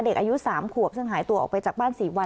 เด็กอายุสามขวบซึ่งหายตัวออกไปจากบ้านสี่วัน